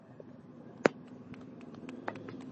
Desberdin izan nahian ez al dute eliteen jarrera bera azkenean?